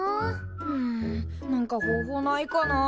うん何か方法ないかな。